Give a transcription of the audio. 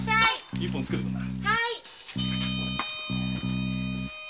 一本つけてくんな。